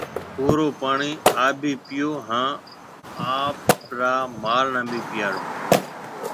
کُوه رو پوڻِي آپ ڀِي پئيو هانَ آپرياَ مال ڀِي پئياڙو۔